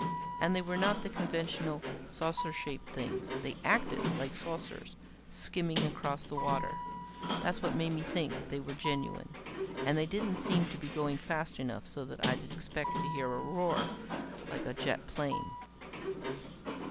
And they were not the conventional saucer shaped things they acted like saucers skimming across the water. That's what made me think they were genuine. And they didn't seem to be going fast enough so that I'd expect to hear a roar like a jet plane.